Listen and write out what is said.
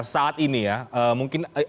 saat ini ya mungkin